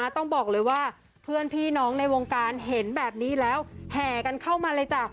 ต้องบอกเลยว่าเพื่อนพี่น้องในวงการเห็นแบบนี้แล้วแห่กันเข้ามาเลยจ้ะ